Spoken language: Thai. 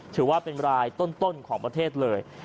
ถือว่าเป็นรายต้นของประเทศเลย